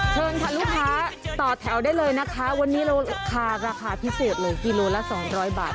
เชิญค่ะลูกค้าต่อแถวได้เลยนะคะวันนี้เราคาราคาพิเศษเลยกิโลละสองร้อยบาท